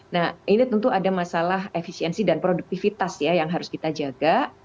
nah ini tentu ada masalah efisiensi dan produktivitas ya yang harus kita jaga